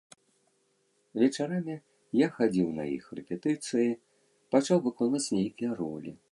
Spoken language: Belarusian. Вечарамі я хадзіў на іх рэпетыцыі, пачаў выконваць нейкія ролі.